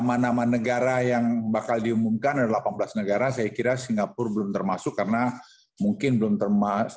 nama nama negara yang bakal diumumkan ada delapan belas negara saya kira singapura belum termasuk karena mungkin belum termasuk